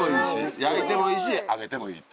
焼いてもいいし揚げてもいいって。